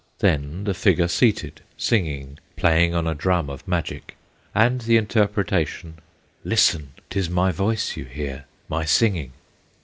Then the figure seated, singing, Playing on a drum of magic, And the interpretation, "Listen! 'T is my voice you hear, my singing!"